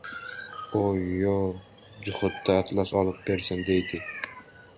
— O‘-o‘y, juhudi atlas olib bersin, — deydi.